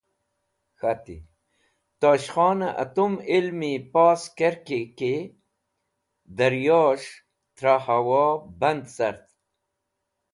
K̃hat: “Tosh Khon atum ilmi pos kerki ki daryo’s̃h tra hawo band cart.